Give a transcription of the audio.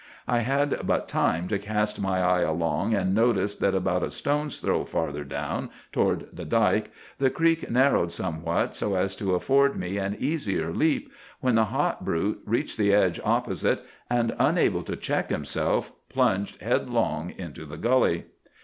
I had but time to cast my eye along, and notice that about a stone's throw farther down, toward the dike, the creek narrowed somewhat so as to afford me an easier leap, when the hot brute reached the edge opposite, and, unable to check himself, plunged headlong into the gully.